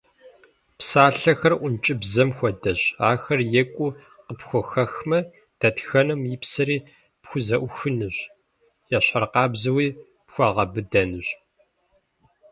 Псалъэхэр ӏункӏыбзэм хуэдэщ, ахэр екӏуу къыпхухэхмэ, дэтхэнэм и псэри пхузэӏухынущ, ещхьыркъабзэуи - пхуэгъэбыдэнущ.